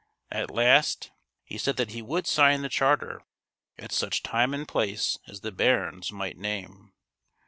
At last he said that he would sign the charter at such time and place as the barons might name.